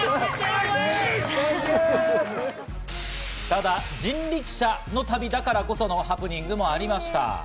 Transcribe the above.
ただ、人力車の旅だからこそのハプニングもありました。